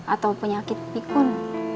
atau penyakit pikun